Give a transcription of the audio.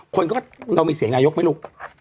คนก็เรามีเสียงนายกไหมลูก